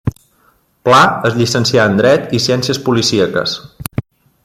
Pla es llicencià en Dret i Ciències policíaques.